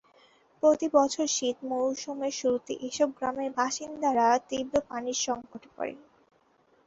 প্রতিবছর শীত মৌসুমের শুরুতে এসব গ্রামের বাসিন্দারা তীব্র পানির সংকটে পড়ে।